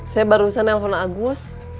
saya barusan nelfon agus